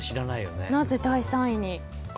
なぜ第３位に？